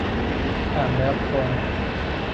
อ่านแล้วปลง